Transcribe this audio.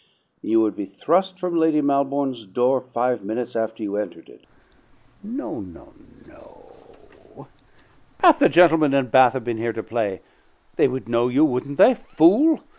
You would be thrust from Lady Malbourne's door five minutes after you entered it." "No, no, no!" "Half the gentlemen in Bath have been here to play. They would know you, wouldn't they, fool?